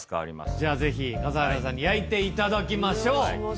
じゃあぜひ笠原さんに焼いて頂きましょう！